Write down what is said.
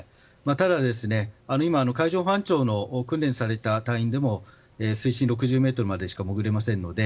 ただ、海上保安庁の訓練された隊員でも水深６０ｍまでしか潜れませんので。